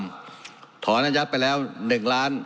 อ่ะถอนอาญัตไปแล้วหนึ่งล้าน